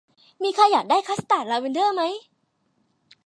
มีใครอยากได้คัสตาร์ดลาเวนเดอร์ไหม